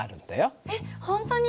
えっ本当に？